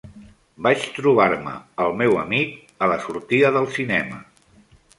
Vaig trobar-me el meu amic a la sortida del cinema.